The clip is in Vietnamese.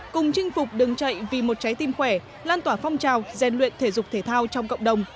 cùng chinh phục đường chạy vì một trái tim khỏe lan tỏa phong trào rèn luyện thể dục thể thao trong cộng đồng